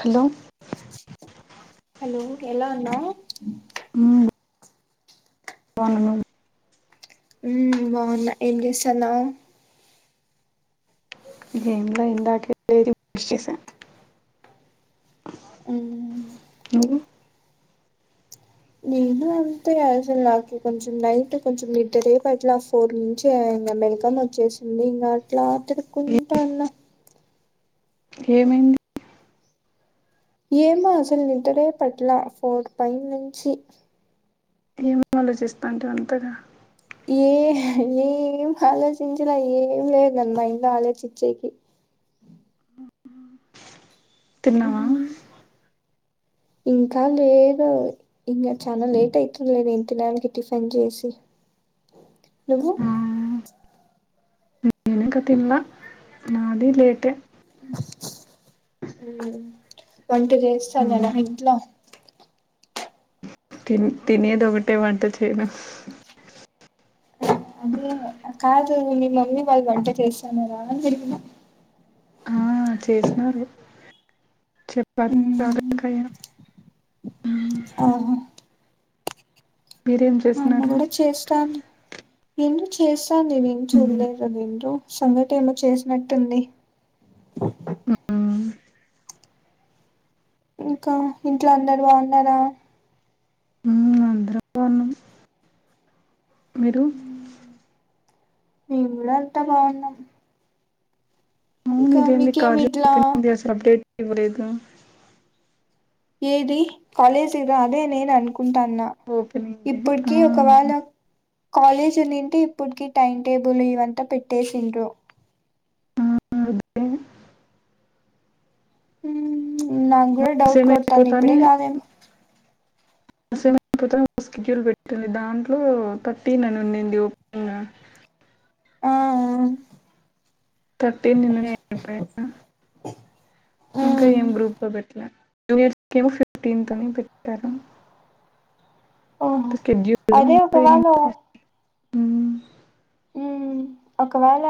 Hello hello ఎలా ఉన్నావ్ ఉమ్ బావున్నా ఉమ్ బాగున్నా ఏం చేస్తన్నావు ఏంలె ఇందాకే డైరీ ముసేసా నువ్వు నేను అంతే అసలు నాకు కొంచెం నైట్ కొంచెం నిద్దరె పట్ల రేపు ఫోర్ నుంచి మెల్కనే వచ్చేసి ఇంగ అట్లా తిరుకుంట ఉన్న ఏమైయింది ఏమో అసలు నిద్దరేపట్ల ఫోర్ పైన్ నుంచి ఏమ ఆలోచిస్తాంటివి అంత ఏ ఏం ఆలోచించలా ఏం లేదు మైండ్లొ ఆలోచించేకి తిన్నావా ఇంకా లేదు ఇంకా చాలా లేట్ అయితుందిలే నేను తినాలికి టిఫిన్ చేసి నువ్వు నేనింక తినల నాది లేట్ వంట చేస్తా ఉమ్, నేను ఇంట్లో తిన తినేదొకటే వంట చేయను అదే కాదు మీ మమ్మీ వాళ్ళు వంట చేస్తన్నారా అని [unintelligible] ఆ చేసినారు చెప్పాలి [inaudible] ఓహో మీరేం చె మా అమ్మ కూడా చేస్తాంది ఎందొ చేస్తాంది నేం ఉమ్, చూడలేదు అదేంటో సంఘటి ఏమో చేసినట్టుంది ఉమ్, ఇంక ఇంట్లో అందరు బావున్నారా మ్మ్ అందరం బావున్నాం మీరు మేమ్ గుడ అంత బావున్నాం అవును ఇదేంది మీకేమి కాలేజ్ ఇట్లా ఓపెనయింది అసలు అప్డేట్ ఇవ్వలేదు ఏది కాలేజ్ ఇదో అదే నేను అనుకుంటాన్నా ఓపెనింగ్ డే. ఇప్పటికి ఆ, ఒకవేళ కాలేజీ ఉనింటే ఇప్పుటికి టైం టేబుల్ ఇవంతా పెట్టేసిండ్రు ఆ [inaudible] అదే మ్మ్ నాకు కూడా డౌట్ సేమ్ కొడతాంది ఇప్పుడే అయిపోతానే కాదేమో [inaudible] స్కెడ్యూల్ పెట్టింది దాంట్లో థర్టీన్ అని ఉన్నింది ఓపెగా ఆ ఆ థర్టీన్ నిన్ననే [inaudible] ఆ ఇంకా ఏం గ్రూప్ లో పెట్టలే న్యూనియర్స్ కి ఏమో ఫిఫ్టీంత్ అని పెట్టారు ఓహో [inaudible] షెడ్యూల్లో [inaudible] అదే ముపై ఒకవేళ మ్మ్ మ్ [inaudible] ఒకవేళ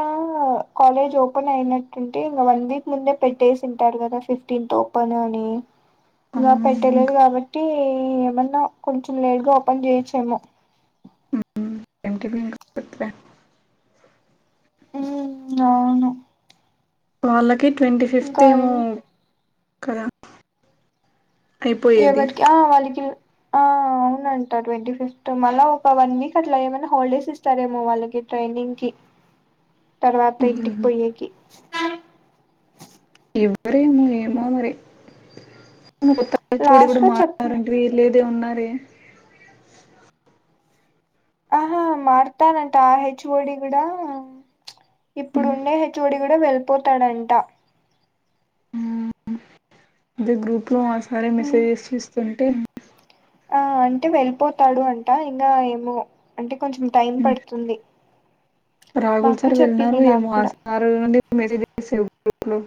కాలేజ్ ఓపెన్ అయినట్టుంటే ఇంగ వన్ వీక్ ముందే పెట్టేసింటారు కదా ఫిఫ్త్ ర్థీంత్ ఓపెన్ అని ఆ, ఇంకా పెట్టలేదు ఇంకా కాబట్టి ఏమన్నా కొంచెం లేట్గా ఓపెన్ చేయచ్చేమో మ్మ్ [inaudible] మ్మ్ అవును వాళ్ళకి ట్వంటీ ఫిఫ్త్ ఇంకా ఏమో కదా అయిపోయేది ఎవరికి ఆ వాళ్ళకి ఆ ఉనంట ట్వంటీ ఫిఫ్త్ మళ్ళ ఒక వన్ వీక్ అట్లా ఏమైనా హాలిడేస్ ఇస్తారేమో వాళ్ళకి ట్రైనింగ్ కి [inaudible] తర్వాత ఇంటికి పొయ్యే కి ఇవ్వరేమో ఏమో మరి కొత్త హెచ్ ఓ డి లాస్ట్ కూడా లో చెప్ మారినాడు అంటివి లేదే ఉన్నారే ఆహా మారతాడంట ఆ హెచ్ ఓ డి కూడా ఇప్పుడుండే హెచ్ ఓ డి కూడా వెళ్ళిపోతాడంట మ్మ్ అదే గ్రూప్ లో ఆసారే మెసేజెస్ ఇస్తుంటే ఆ అంటే వెళ్ళిపోతాడు అంట ఇంకా ఏమో అంటే కొంచెం టైం ఉమ్, పడుతుంది మా రాహుల్ సార్ అక్క వెళ్ళినారు చెప్పింది నాకు ఏమో కూడా ఆ రోజు నుండి మెసేజ్ల్ లేవు గ్రూపులో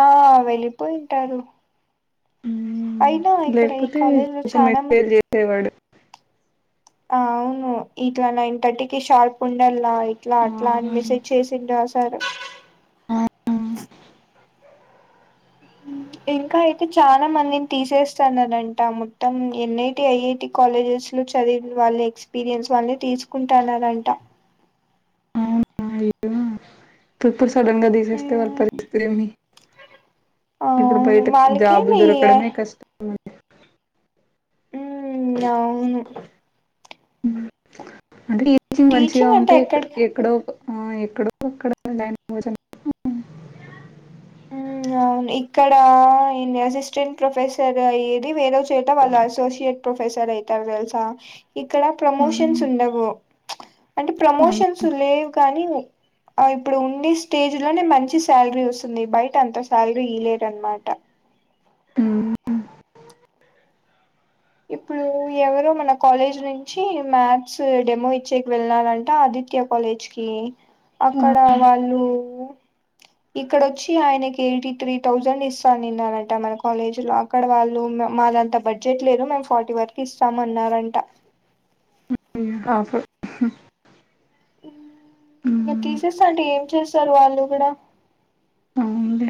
ఆ వెళ్ళిపోయింటారు అయినా ఇక్కడ ఈ లేకపోతే కాలేజ్ లో ఒక చాలా మంది మెసేజ్ చేసేవాడు ఆ అవును ఇట్లా నైన్ థర్టీకిి షార్ప్ ఉండల్లా ఇట్లా ఆ, అట్లా అని మెసేజ్ చేసిండ స టారు ఆ, [inaudible] ఇంకా అయితే చాలా మందిని తీసేస్తన్నారంట మొత్తం N I T I I T కాలేజెస్లో చదివన వాళ్ళ ఎక్స్పీరియన్స్ వాళ్ళని తీసుకుంటనారంట ఇప్పుడిప్పుడు సడన్గా తీసేస్తే వాళ్ళ మ్మ్ పరిస్థిర ఏమి ఇప్పుడు అవును బయట జాబులు వాళ్ళకేమి దొరకడమే కష్టం ఉమ్ అవును అంటే టిచింగ్ మంచిగా టీచింగ్ అంటే ఉంటే ఎక్కడ ఎక్కడో ఆ ఎక్కడోక్కడైన ఉమ్ గా అవును ఇక్కడ అసిస్టెంట్ ప్రొఫెసర్ అయ్యేది వేరేస్ చేట వాళ్ళు అసోసియేట్ ప్రొఫెసర్ అయితరు తెలుసా ఇక్కడ ప్రమోషన్స్ ఉండవు అంటే ప్రమోషన్స్ చ లేవు కానీ ఇప్పుడు ఉండే స్టేజ్ లోనే మంచి శాలరీ వస్ ఉంది బయట అంత శాలరీ ఎయ్యరనమటా ఉమ్ ఇప్పుడు ఎవరు మన కాలేజ్నుంచి మ్యాథ్స్ డెమో ఇచ్చేకి వెళ్నారాట ఆదిత్య కాలేజ్ కి అక్కడ వాళ్ళు ఇక్కడ వచ్చి ఆయనకి ఎయిటీ త్రీ థౌజండ్ ఇస్తాను అనిన్న అనట మన కాలేజీల అక్కడ వాళ్ళు మాదంత బడ్జెట్ లేదు మేము ఫార్టీ వరకు ఇస్తాం అన్నారంట ఉమ్ ఆ ఇక తీసేస్తరు అంటే ఏం చేస్తరు వాళ్ళు కూడా అవునులే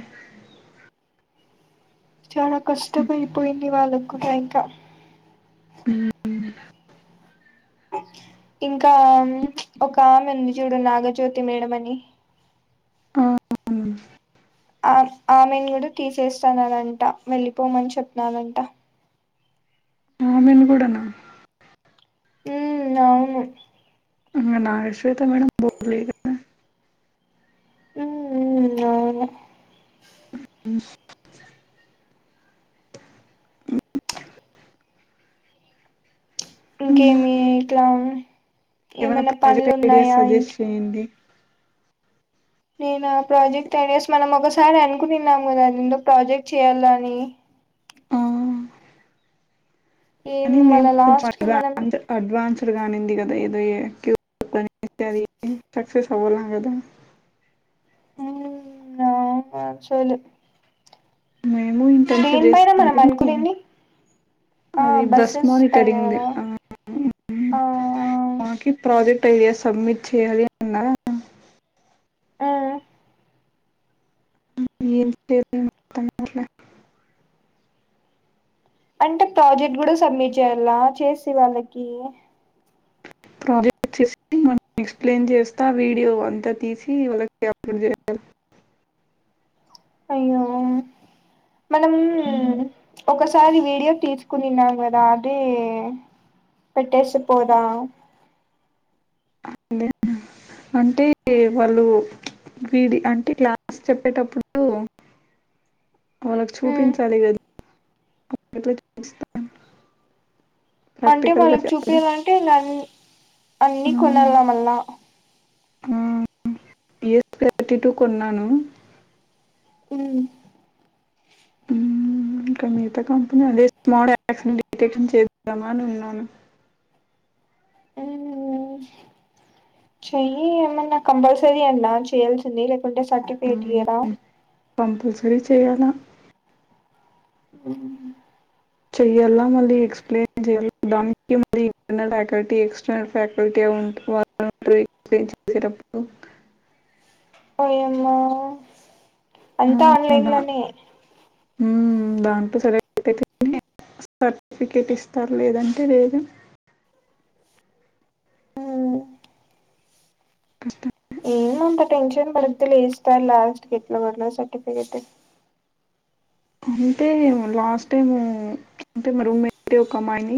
చాలా కష్టమైపోయింది వాళ్ళకు కూడ ఇంక ఇంకా ఉమ్ ఒక ఆమె ఉంది చూడు నాగజ్యోతి మేడం అని ఆ, అవును. ఆ ఆమెను కూడా తీసేస్తాన్నరంట వెళ్ళిపోమని చెప్పినారంట ఆమెను కూడా నా మ్మ్ అవును ఇంగనా శ్వేత మేడం బోర్లే కదా ఉమ్ ఉమ్ ఉవును ఉమ్. ఇంకేమి ఇట్ల ఏమన్న పనులున్నాయా ఏంది నేను ఆ ప్రాజెక్ట్ టెన్ ఇయర్స్ మనం ఒకసారి అనుకునిన్నాము కదా అది ఎందో ప్రాజెక్ట్ చేయాలని ఆ అని ఏంది మేము మన కొంచెం లాస్ట్ కి మనం అడ్వాన్స్ అడ్వాన్స్డ్ గాన్నింది కదా ఏదో ఏ ఆది సక్సెస్ అవ్వాలా కదా ఉమ్ నాక్ నచ్చలే మేము ఇంటర్న్షిప్ చేస్తా దేనిపైన మనం అంటేనే అనుకునింది ఆ అది దస్ బస్సెస్ పైన మోనిటరింగ్ ది కదా ఆ మాకి ప్రాజెక్ట్ ఐడియా సబ్మిట్ చేయాలి అన్న ఆ ఏంటది తమ్ముడ్లే అంటే ప్రాజెక్ట్ కూడా సబ్మిట్ చేయ్యాలా చేసి వాళ్ళకి ప్రాజెక్ట్ వచ్చేసి మనం ఎక్స్ప్లెయిన్ చేస్తా వీడియో అంతా తీసి వాళ్ళకి అప్లోడ్ చేయాలి అయ్యో మనం ఒకసారి వీడియో తీసుకునిన్నాం కదా అది పెట్టేస్తేపోదా అట్లే అంటే వాళ్ళు వీడి అంటే క్లాస్ చెప్పేటప్పుడు వాళ్ళకి ఉమ్ చూపించాలి కదా [inaudible] అంటే ప్రాక్టికల్ గా వాళ్ళకి చెప్పడం చూపీయాలంటే వాలు ఇక అన్ని అన్నీ కొనాలిగా మల్లా ఆ పిఎస్ థర్టీ టూ కొన్నాను మ్మ్ ఇంకా మిగతా కంపెనీ అదే ప్రొడక్ట్స్ ని డిటెక్షన్ చేద్దామా అని ఉన్నాను అయ్యో చెయ్యి ఏమన్నా కంపల్సరీ అంట్నా చేయాల్సింది రేప్ అంటే సర్టిఫికెట్ ఈయదా కంపల్సరి చెయ్యాల హ్మ్ చెయ్యాలా మళ్ళీ ఎక్స్ప్లెయిన్ చెయ్యాలా, దానికి మళ్ళీ ఇంటర్నల్ ఫ్యాకల్టీ ఎక్స్టర్నల్ ఫ్యాకల్టీ అవుంటే [inaudible] ఓయమ్మో హ్మ్ [inaudible] హ్మ్ దాంతో [inaudible] [inaudible] సర్టిఫికెట్ ఇస్తారు లేదంటే లేేదు ఉమ్, కష్టమే ఏమంత టెన్షన్ పడొద్దులే ఇస్తారు లాస్ట్ కి ఎట్లోగట్ల సర్ఫికెట్ అంటే లాస్ట్ టైం అంటే మా రూమెట్ ఒక అమ్మాయిని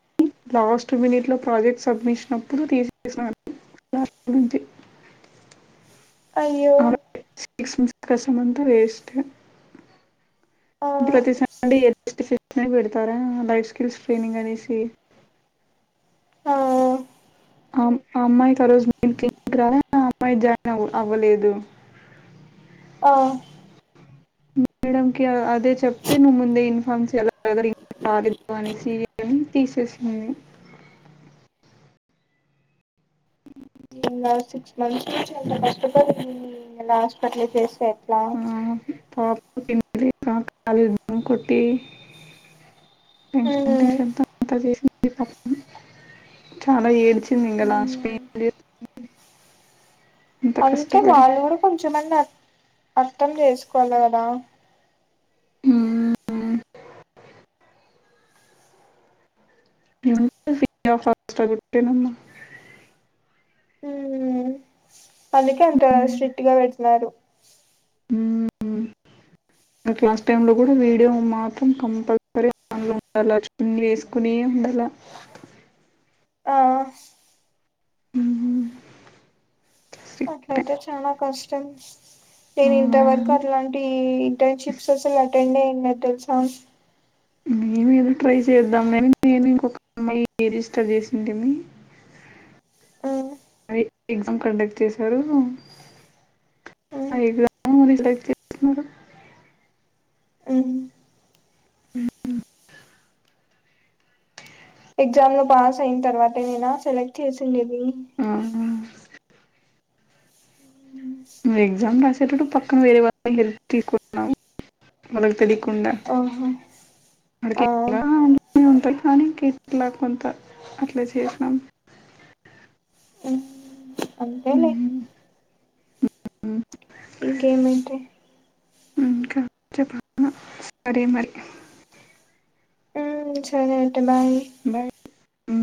లాస్ట్ మినిట్ లో ప్రాజెక్ట్ సబ్మిషన్ అప్పుడు తీసేస్నారు దానిగురించి అయ్యో సిక్స్ మంత్స్ కష్టం అంతా వేస్ట్ ఆ అంటే ప్రతి సండే [inaudible] పెడతారా లైఫ్ స్కిల్స్ ట్రైనింగ్ అనేసి. ఆ అం అమ్మాయికి ఆ రోజు [inaudible] మీ అమ్మాయ్ జాయిన్ అవ్వలేదు అ మేడం కి అదే చెప్తే నువ్వు ముందే ఇన్ఫామ్ చేయాల [inaudible] రాలేదు అనేసి హ్మ్ తీసేసింది సిక్స్ మంత్స్ నుంచి ఎంత కష్టపడి ఉం ఇంక లాస్ట్ లో అట్లా చేస్తే యేట్లా [inaudible] కుట్టి టెన్షన్ టెన్షన్ తో అంత చేసింది పపామ్ చాలా ఏడ్చిన్ ఉమ్ [unintelligible] అంటే వాళ్ళు కూడా కొంచెమన్న అర్థం చేసుకోవాల కదా [inaudible] ఊ అందుకే అంత స్ట్రిక్ట్ గా పెట్టినారు హ్మ్ ఇంకా క్లాస్ టైం లో కూడా వీడియో మాత్రం కంపల్సరిగా ఉండాల చున్ని వేసుకునే ఉండాల ఆ అ హ్మ్ అట్లైతే చానా కష్టం ఆ, నేన్ ఇంతవరకు అట్లాంటి ఇంటర్న్షిప్స్ అసల్ అటెండ్ లేదు తెలుసా మేము ఏదో ట్రై చేద్దాం లే అని నేను ఇంకొక అమ్మాయి రిజిస్టర్ చేసింటిమి [inaudible] హ్మ్ అదే ఎగ్జామ్ కండక్ట్ చేసరు ఆ ఉమ్ ఎగ్జాము లెక్ట్ చేస్తున్నారు ఉమ్ ఎగ్జామ్ లో పాస్ అయ్యిం తర్వాత నేనా సెలెక్ట్ చేసుండేది ఆ, ను ఎగ్జమ్ రాసేటట్టు పక్క వేరే వాళ్ళు హెల్ప్ తీసుకుంటున్నాం వాళ్ళకు తెలికుండా ఆహా ఆ అడికి నా ఉంటారు కానీ ఇంకలా కొంత అట్లా చేసినాం అంతేలే ఉమ్, [unintelligible] ఇంకేమేంటి ఇంకా చెప్పలా సరే మరి ఉ సరే అంటే బాయ్ బాయ్ ఉ